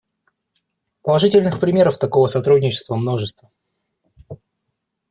Положительных примеров такого сотрудничества — множество.